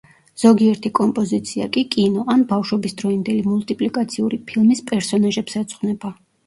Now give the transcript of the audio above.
ზოგიერთი კომპოზიცია კი კინო ან ბავშვობისდროინდელი მულტიპლიკაციური ფილმის პერსონაჟებს ეძღვნება.